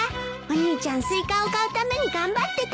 お兄ちゃんスイカを買うために頑張ってたもん。